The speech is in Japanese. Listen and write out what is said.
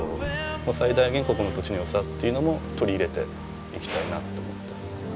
最大限ここの土地の良さっていうのも取り入れていきたいなと思って。